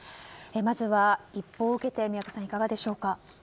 まずは一報を受けていかがでしょうか。